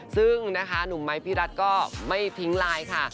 ซึ่งนะคะหนุ่มไม้พี่รัฐก็ไม่ทิ้งไลน์ค่ะ